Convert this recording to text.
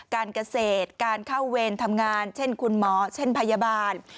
การเกษตรการเข้าเวรทำงานเช่นคุณหมอเช่นพยาบาล